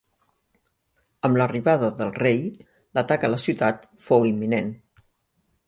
Amb l'arribada del rei, l'atac a la ciutat fou imminent.